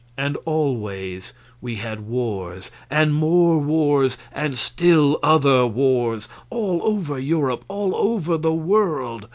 And always we had wars, and more wars, and still other wars all over Europe, all over the world.